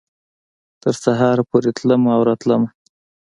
تر سهاره پورې تلمه او راتلمه